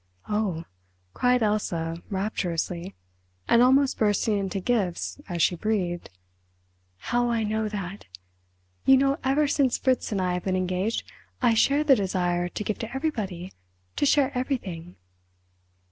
"Oh!" cried Elsa rapturously, and almost bursting into gifts as she breathed—"how I know that! You know ever since Fritz and I have been engaged, I share the desire to give to everybody, to share everything!"